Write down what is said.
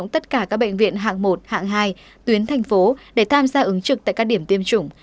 tất cả các bệnh viện hạng một hạng hai tuyến thành phố để tham gia ứng trực tại các điểm tiêm chủng